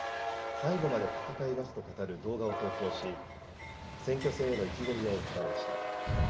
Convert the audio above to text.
最後まで闘いますと語る動画を投稿し、選挙戦への意気込みを訴えました。